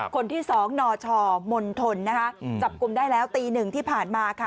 คนที่๒นชมณฑลนะคะจับกลุ่มได้แล้วตีหนึ่งที่ผ่านมาค่ะ